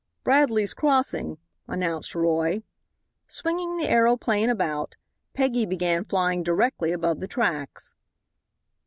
"Bradley's Crossing," announced Roy. Swinging the aeroplane about, Peggy began flying directly above the tracks.